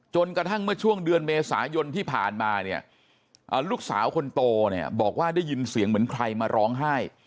กระทั่งเมื่อช่วงเดือนเมษายนที่ผ่านมาเนี่ยลูกสาวคนโตเนี่ยบอกว่าได้ยินเสียงเหมือนใครมาร้องไห้